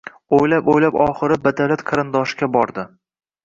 Oʻylab-oʻylab oxiri badavlat qarindoshga bordi.